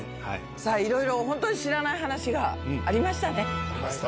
いろいろ、本当に知らない話ありました。